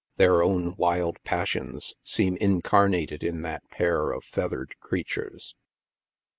Their own wild passions seem incarnated in that pair of feathered creatures.